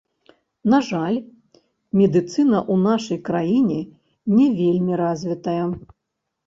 На жаль, медыцына ў нашай краіне не вельмі развітая.